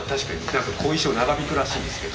後遺症、長引くらしいですけど。